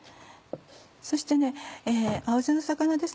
そして青背の魚です